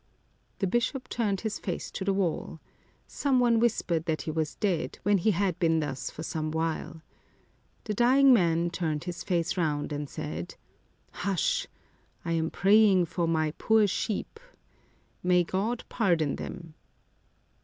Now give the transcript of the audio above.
The bishop turned his face to the wall. Some one whispered that he was dead, when he had been thus for some while. The dying man turned his face round, and said :" Hush ! I am praying for my poor sheep ! May God pardon them."